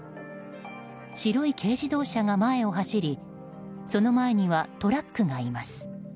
白い軽自動車が前を走りその前にはトラックがいます。